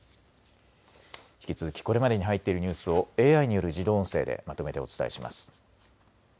引き続きこれまでに入っているニュースをＡＩによる自動音声でまとめてお伝えします。